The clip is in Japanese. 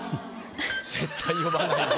「絶対呼ばないで」。